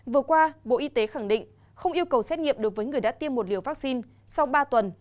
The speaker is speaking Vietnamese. vừa qua bộ y tế khẳng định không yêu cầu xét nghiệm đối với người đã tiêm một liều vaccine sau ba tuần